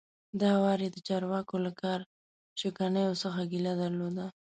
دا وار یې د چارواکو له کار شکنیو څخه ګیله درلوده.